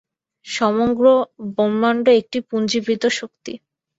সমগ্র ব্রহ্মাণ্ড একটি পুঞ্জীভূত শক্তি।